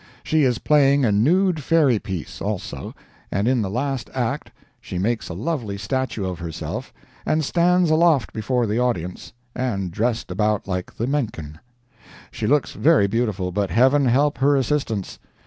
She is playing a nude fairy piece, also, and in the last act she makes a lovely statue of herself, and stands aloft before the audience, and dressed about like the Menken. She looks very beautiful—but heaven help her assistants!